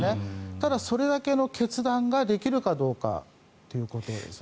ただそれだけの決断ができるかどうかということですね